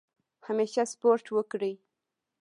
همیشه سپورټ وکړئ.